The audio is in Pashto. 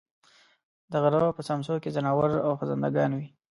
د غرۀ په څمڅو کې ځناور او خزندګان وي